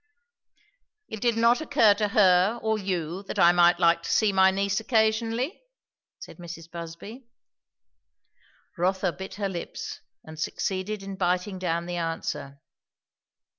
"It did not occur to her or you that I might like to see my niece occasionally?" said Mrs. Busby. Rotha bit her lips and succeeded in biting down the answer.